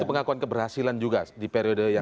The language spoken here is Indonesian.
pengakuan keberhasilan juga di periode yang